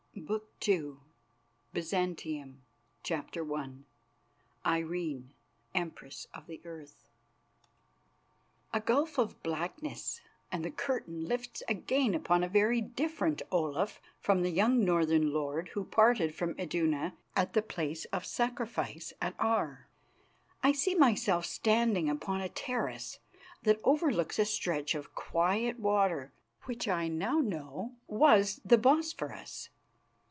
BOOK II BYZANTIUM CHAPTER I IRENE, EMPRESS OF THE EARTH A gulf of blackness and the curtain lifts again upon a very different Olaf from the young northern lord who parted from Iduna at the place of sacrifice at Aar. I see myself standing upon a terrace that overlooks a stretch of quiet water, which I now know was the Bosphorus.